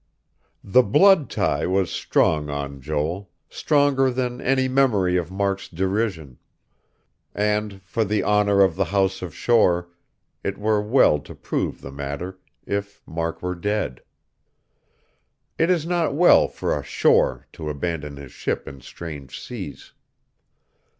The blood tie was strong on Joel; stronger than any memory of Mark's derision. And for the honor of the House of Shore, it were well to prove the matter, if Mark were dead. It is not well for a Shore to abandon his ship in strange seas.